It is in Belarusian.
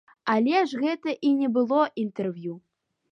Але ж гэта і не было інтэрв'ю.